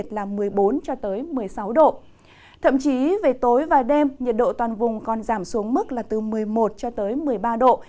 thậm chí về tối và đêm nhiệt độ toàn vùng còn giảm xuống mức là từ một mươi một cho tới một mươi ba độ